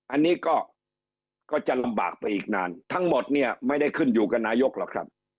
อันนี้ก็จะลำบากไปอีกนานทั้งหมดเนี่ยไม่ได้ขึ้นอยู่กับนายกหรอกครับ